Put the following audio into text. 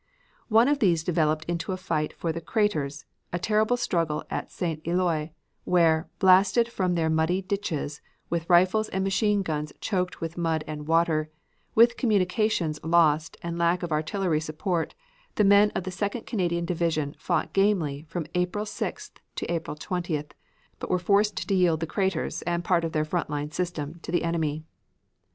One of these developed into a fight for the craters a terrible struggle at St. Eloi, where, blasted from their muddy ditches, with rifles and machine guns choked with mud and water; with communications lost and lack of artillery support, the men of the Second Canadian Division fought gamely from April 6th to April 20th, but were forced to yield the craters and part of their front line system to the enemy.